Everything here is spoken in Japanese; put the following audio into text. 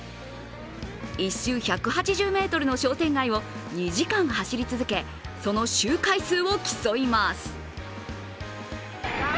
１周１８０ｍの商店街を２時間走り続けその周回数を競います。